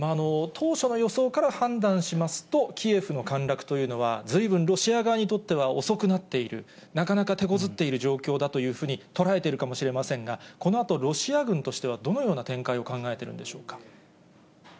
当初の予想から判断しますと、キエフの陥落というのは、ずいぶんロシア側にとっては遅くなっている、なかなか手こずっている状況だというふうに捉えてるかもしれませんが、このあと、ロシア軍としてはどのような展開を考えてるんでしょうか。